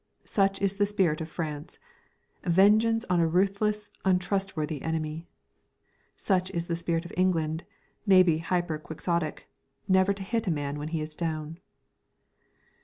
Such is the spirit of France vengeance on a ruthless, untrustworthy enemy. Such the spirit of England, maybe hyper quixotic never to hit a man when he is down.